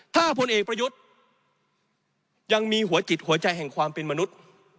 ถ้าพลเอกประยุทธ์ยังมีหัวจิตหัวใจแห่งความเป็นมนุษย์